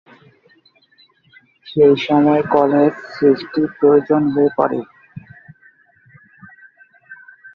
সেইসময় কলেজ সৃষ্টির প্রয়োজন হয়ে পড়ে।